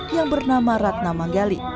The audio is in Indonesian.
yang bernama ratna manggali